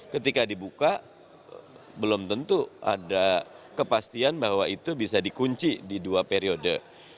ketika dibuka belum tentu ada kepastian bahwa itu bisa dikunci di dua periode